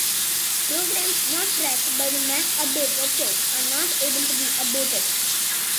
Programs not tracked by the MacUpdate website are not able to be updated.